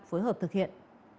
phối hợp thực hiện